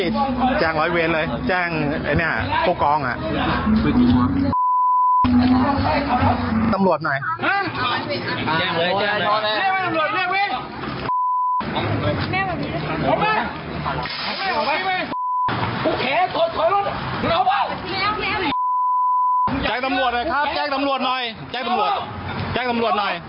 แกล้งตำรวจหน่อยครับแกล้งตำรวจหน่อย